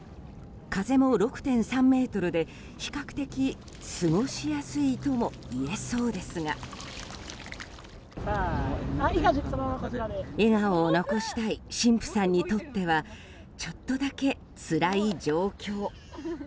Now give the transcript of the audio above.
風も６．３メートルで比較的過ごしやすいとも言えそうですが笑顔を残したい新婦さんにとってはちょっとだけつらい状況。